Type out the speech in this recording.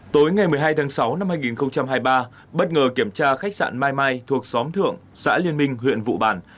tối ngày một mươi hai tháng sáu năm hai nghìn hai mươi ba bất ngờ kiểm tra khách sạn mai mai thuộc xóm thượng xã liên minh huyện vụ bản